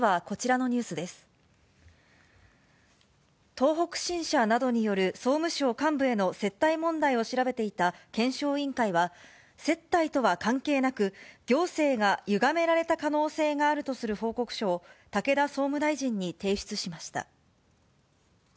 東北新社などによる総務省幹部への接待問題を調べていた検証委員会は、接待とは関係なく、行政がゆがめられた可能性があるとする報告書を、武田総務大臣に提出しました。